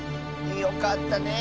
よかったね！